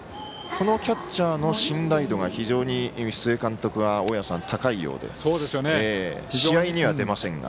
このキャッチャーの信頼度が非常に須江監督は高いようで試合には出ませんが。